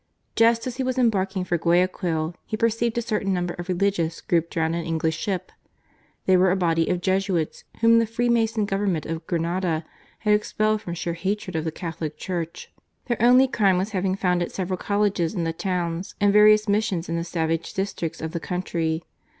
Just as he was embarking for Guayaquil he perceived a certain number of religious grouped round an English ship. They were a body of Jesuits, whom the Freemason Government of Grenada had expelled from sheer hatred of the Catholic Church. Their only crime was having founded several colleges in the towns and various missions in the savage districts of the country.